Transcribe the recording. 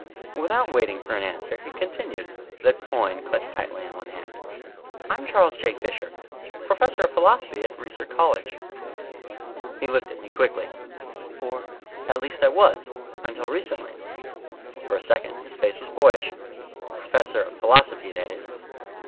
Without waiting for an answer, he continued, the coin clutched tightly in one hand. "I'm Charles J. Fisher, professor of philosophy at Reiser College." He looked at me quickly. "Or at least I was until recently." For a second his face was boyish. "Professor of philosophy, that is."